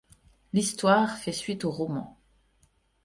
L'histoire fait suite aux romans.